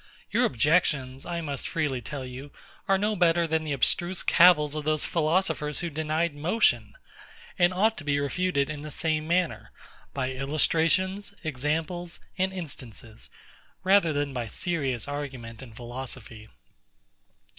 Your objections, I must freely tell you, are no better than the abstruse cavils of those philosophers who denied motion; and ought to be refuted in the same manner, by illustrations, examples, and instances, rather than by serious argument and philosophy.